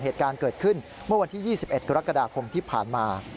เหตุการณ์เกิดขึ้นเมื่อวันที่๒๑กรกฎาคมที่ผ่านมา